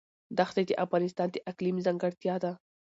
دښتې د افغانستان د اقلیم ځانګړتیا ده.